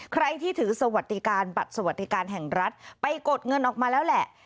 ใครที่ถือสวัสดิการบัตรสวัสดิการแห่งรัฐไปกดเงินออกมาแล้วแหละ